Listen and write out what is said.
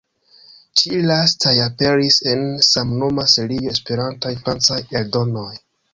Ĉi-lastaj aperis en samnoma serio "Esperantaj francaj eldonoj".